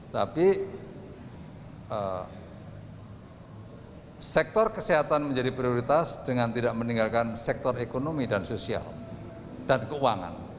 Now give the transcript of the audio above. tapi sektor kesehatan menjadi prioritas dengan tidak meninggalkan sektor ekonomi dan sosial dan keuangan